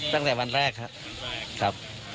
ตั้งแต่วันแรกครับ